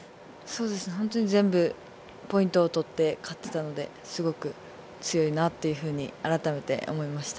全部ポイントを取って勝っていたので、すごく強いなっていうふうにあらためて思いました。